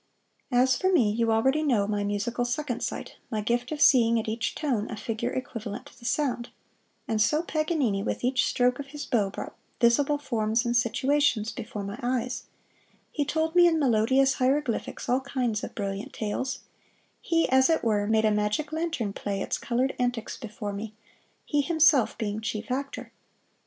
As for me, you already know my musical second sight, my gift of seeing at each tone a figure equivalent to the sound, and so Paganini with each stroke of his bow brought visible forms and situations before my eyes; he told me in melodious hieroglyphics all kinds of brilliant tales; he, as it were, made a magic lantern play its colored antics before me, he himself being chief actor.